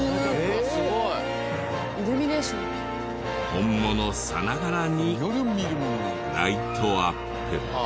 本物さながらにライトアップ。